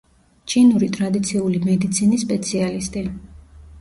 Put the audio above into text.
ჩინური ტრადიციული მედიცინის სპეციალისტი.